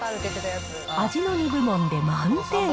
味の２部門で満点。